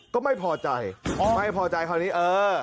ก็ไม่พอใจไม่พอใจคราวนี้เออ